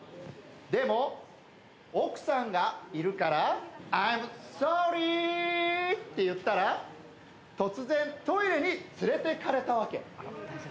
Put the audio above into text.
でも、奥さんがいるから、アイムソーリーって言ったら、突然、トイレに連れていかれたわけ。